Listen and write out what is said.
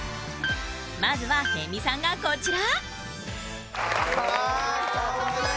まずは辺見さんがこちら。